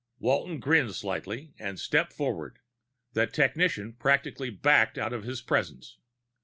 Walton grinned lightly and stepped forward. The technician practically backed out of his presence.